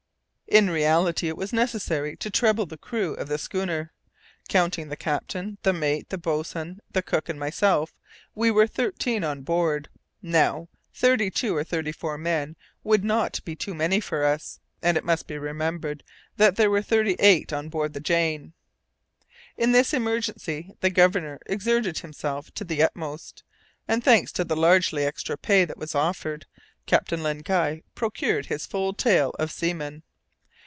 In reality it was necessary to treble the crew of the schooner. Counting the captain, the mate, the boatswain, the cook and myself, we were thirteen on board. Now, thirty two or thirty four men would not be too many for us, and it must be remembered that there were thirty eight on board the Jane. In this emergency the Governor exerted himself to the utmost, and thanks to the largely extra pay that was offered, Captain Len Guy procured his full tale of seamen.